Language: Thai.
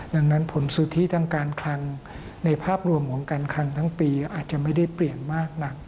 ดังนั้นผลสุทธิทางการคลังในภาพรวมของการคลังทั้งปีอาจจะไม่ได้เปลี่ยนมากนัก